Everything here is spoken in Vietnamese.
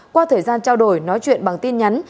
qua thời gian trao đổi nói chuyện bằng tin nhắn